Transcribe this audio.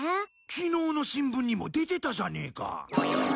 きのうの新聞にも出てたじゃねえか。